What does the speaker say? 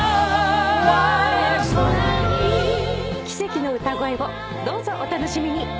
奇跡の歌声をどうぞお楽しみに。